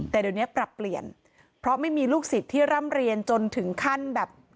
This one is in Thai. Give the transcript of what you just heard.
แต่เดี๋ยวนี้ปรับเปลี่ยนเพราะไม่มีลูกศิษย์ที่ร่ำเรียนจนถึงขั้นแบบ